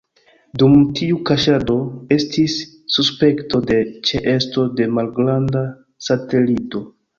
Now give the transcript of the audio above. Dum tiu kaŝado, estis suspekto de ĉeesto de malgranda satelito.